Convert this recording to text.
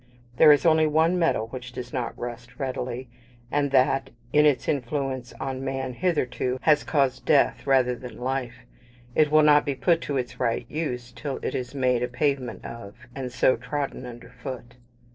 There is only one metal which does not rust readily; and that, in its influence on Man hitherto, has caused Death rather than Life; it will not be put to its right use till it is made a pavement of, and so trodden under foot.